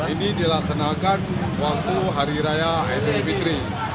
ini dilaksanakan waktu hari raya idul fitri